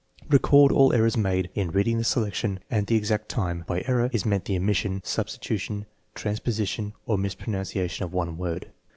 Record all errors made in reading the selection, and the exact time. By " error '* is meant the omission, substitu tion, transposition, or mispronunciation of one word.